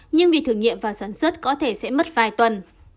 nhưng vì thử nghiệm và sản xuất có thể sẽ mất vài tuần